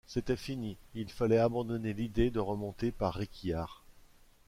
C’était fini, il fallait abandonner l’idée de remonter par Réquillart.